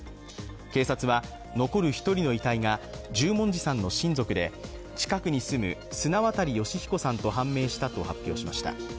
警察は、残る１人の遺体が十文字さんの親族で近くに住む砂渡好彦さんと判明したと発表しました。